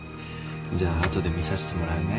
じゃあ後で見さしてもらうね。